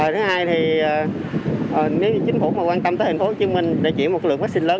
thứ hai thì nếu chính phủ quan tâm tới thành phố hồ chí minh để chuyển một lượng vaccine lớn